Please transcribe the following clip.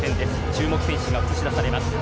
注目選手が映し出されます。